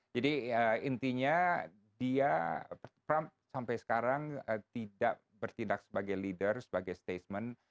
jadi intinya trump sampai sekarang tidak bertindak sebagai leader sebagai statement